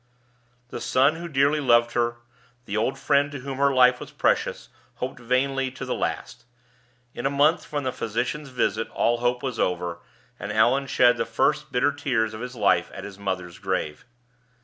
The son who dearly loved her, the old friend to whom her life was precious, hoped vainly to the last. In a month from the physician's visit all hope was over; and Allan shed the first bitter tears of his life at his mother's grave.